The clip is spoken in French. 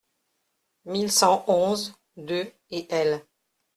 mille cent onze-deux et L.